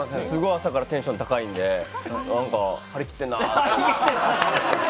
朝からテンション高いんでなんか、張りきってんなって。